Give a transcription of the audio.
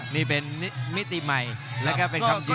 นี่เป็นมิติใหม่แล้วก็เป็นคำดี